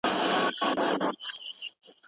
کورني ژوند ارام نه وو.